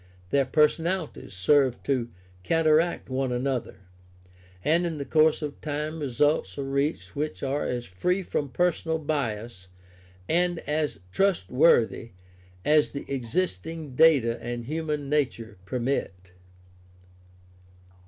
Their personalities serve to counteract one another, and in the course of time results are reached which are as free from personal bias and as trustworthy as the existing data and human nature permit.